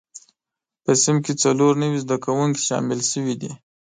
په صنف کې څلور نوي زده کوونکي شامل شوي دي.